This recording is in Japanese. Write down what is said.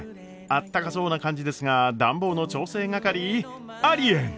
あったかそうな感じですが暖房の調整係？ありえん！